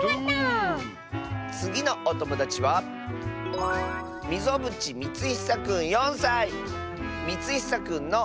つぎのおともだちはみつひさくんの。